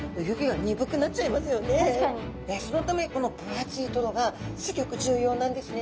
そのためこの分厚いトロがすギョく重要なんですね。